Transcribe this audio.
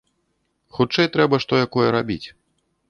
Хутчэй трэба што якое рабіць.